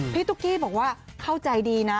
ตุ๊กกี้บอกว่าเข้าใจดีนะ